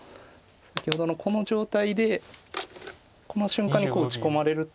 先ほどのこの状態でこの瞬間に打ち込まれると。